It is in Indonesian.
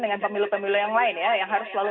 dengan pemilu pemilu yang lain ya yang harus selalu